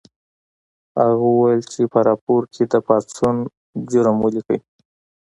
هغه وویل چې په راپور کې د پاڅون جرم ولیکئ